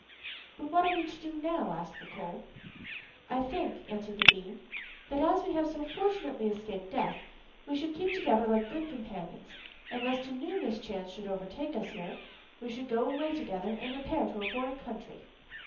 'But what are we to do now?' said the coal. 'I think,' answered the bean, 'that as we have so fortunately escaped death, we should keep together like good companions, and lest a new mischance should overtake us here, we should go away together, and repair to a foreign country.